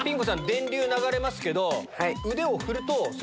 電流流れますけど。